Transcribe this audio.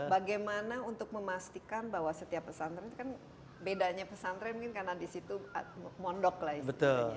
bagaimana untuk memastikan bahwa setiap pesantren itu kan bedanya pesantren mungkin karena di situ mondok lah istilahnya